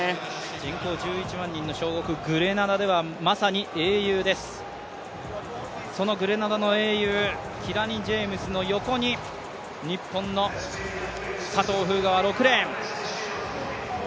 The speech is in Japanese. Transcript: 人口１１万人の小国グレナダではまさに英雄です、そのグレナダの英雄、キラニ・ジェームスの横に日本の佐藤風雅は６レーン。